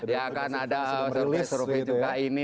ya kan ada suruh suruhnya juga ini